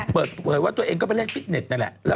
เปิดประตูไปว่าตัวเองก็ไปเล่นฟิตแน็ตเนี่ยล่ะ